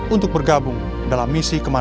untuk bergabung dalam misi kemenangan